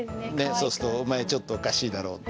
そうすると「お前ちょっとおかしいだろう」って